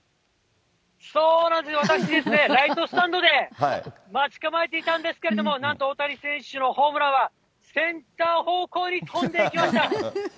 そうなんです、私ですね、ライトスタンドで待ち構えていたんですけれども、なんと大谷選手のホームランはセンター方向に飛んでいきました。